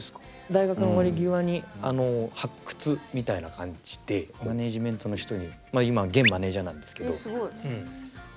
大学の終わり際に発掘みたいな感じでマネージメントの人にまあ今現マネージャーなんですけど。